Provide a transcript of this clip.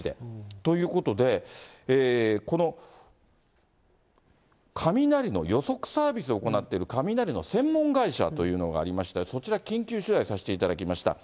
ということで、この雷の予測サービスを行っている雷の専門会社というのがありまして、そちら、緊急取材させていただきました。